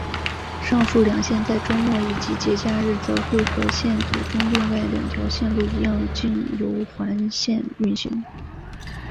上述两线在周末以及节假日则会和线组中另外两条线路一样经由环线运行。